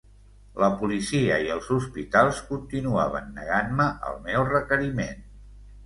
La policia i els hospitals continuaven negant-me el meu requeriment...